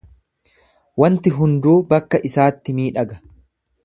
Wanti hunduu bakka isaatti miidhaga.